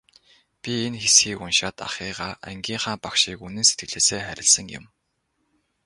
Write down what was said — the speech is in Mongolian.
Би энэ хэсгийг уншаад ахыгаа, ангийнхаа багшийг үнэн сэтгэлээсээ хайрласан юм.